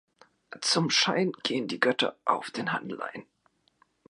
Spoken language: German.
Zum Schein gehen die Götter auf den Handel ein.